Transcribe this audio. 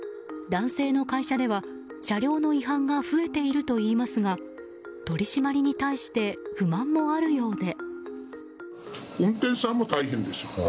男性の会社では車両の違反が増えているといいますが取り締まりに対して不満もあるようで。